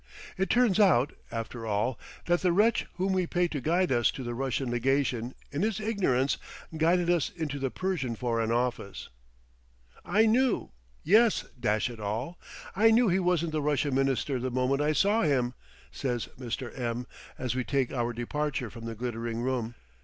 It turns out, after all, that the wretch whom we paid to guide us to the Russian Legation, in his ignorance guided us into the Persian Foreign Office. "I knew yes, dash it all! I knew he wasn't the Russian Minister the moment I saw him," says Mr. M as we take our departure from the glittering room.